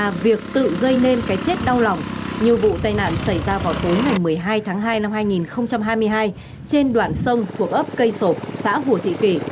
nhưng cũng là việc tự gây nên cái chết đau lòng như vụ tai nạn xảy ra vào tối một mươi hai tháng hai năm hai nghìn hai mươi hai trên đoạn sông của ấp cây sổ xã hùa thị kỳ